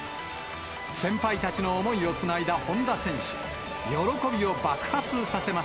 先輩たちの思いをつないだ本多選手。